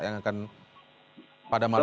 yang akan pada malam